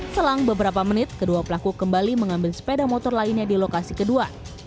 selang beberapa menit kedua pelaku kembali mengambil sepeda motor lainnya di lokasi kedua